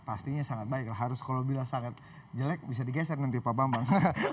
pastinya sangat baik lah harus kalau bila sangat jelek bisa digeser nanti pak bambang